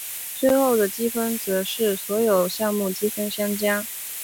最后的积分则是所有项目积分相加。